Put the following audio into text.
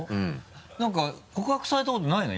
何か告白されたことないの？